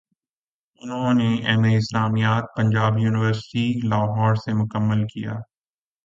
انہوں نے M A اسلامیات پنجاب یونیورسٹی لاہور سے مکمل کیا